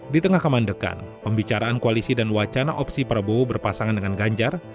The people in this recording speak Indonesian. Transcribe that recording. di tengah kemandekan pembicaraan koalisi dan wacana opsi prabowo berpasangan dengan ganjar